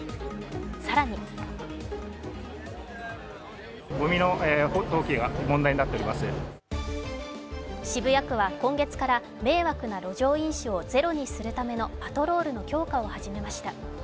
更に渋谷区は今月から、迷惑な路上飲酒をゼロにするためのパトロールの強化を始めました。